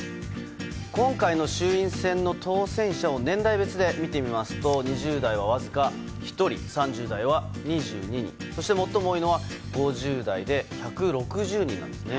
今回の衆院選の当選者を年代別で見てみますと２０代はわずか１人３０代は２２人そして最も多いのが５０代で１６０人なんですね。